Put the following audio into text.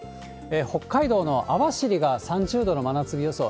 北海道の網走が３０度の真夏日予想。